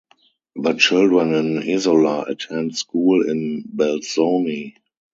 The children in Isola attend school in Belzoni.